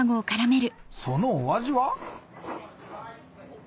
そのお味は？